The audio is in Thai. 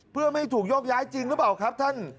เพื่อไม่ถูกโยกย้ายจริงหรือเปล่าครับท่าน